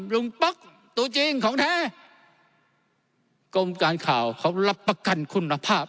ป๊อกตัวจริงของแท้กรมการข่าวเขารับประกันคุณภาพ